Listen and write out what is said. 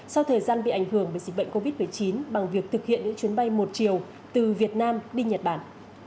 sau thời gian bị ảnh hưởng bởi dịch bệnh covid một mươi chín bằng việc thực hiện những chuyến bay một chiều từ việt nam đi nhật bản